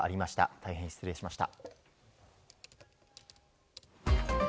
大変失礼しました。